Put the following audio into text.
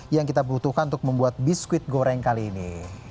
yang kita butuhkan untuk membuat biskuit goreng kali ini